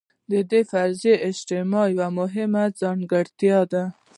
د دې فرضي اجتماع یوه مهمه ځانګړتیا ده.